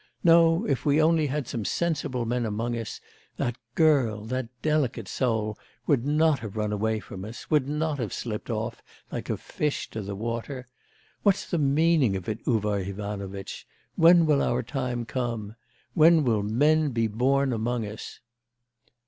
No, if we only had some sensible men among us, that girl, that delicate soul, would not have run away from us, would not have slipped off like a fish to the water! What's the meaning of it, Uvar Ivanovitch? When will our time come? When will men be born among us?